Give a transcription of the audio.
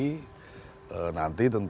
nanti tentu saja akan diukur dari